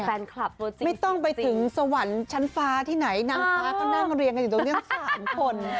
ไม่ต้องไปถึงสวรรค์ชั้นฟ้าที่ไหนนางฟ้าก็นั่งเรียงกันอยู่ตรงนี้๓คน